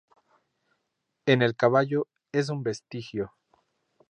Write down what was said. En el caballo, es un vestigio.